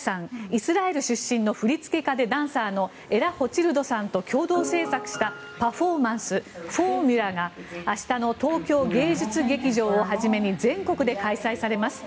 イスラエル出身の振付家でダンサーのエラ・ホチルドさんと共同制作したパフォーマンス「ＦＯＲＭＵＬＡ」が明日の東京芸術劇場をはじめに全国で開催されます。